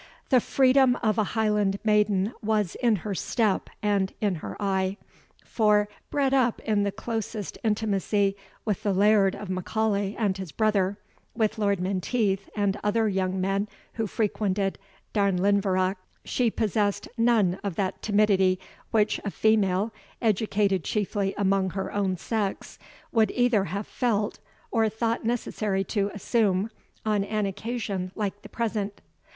The freedom of a Highland maiden was in her step and in her eye; for, bred up in the closest intimacy with the Laird of M'Aulay and his brother, with Lord Menteith, and other young men who frequented Darnlinvarach, she possessed none of that timidity which a female, educated chiefly among her own sex, would either have felt, or thought necessary to assume, on an occasion like the present.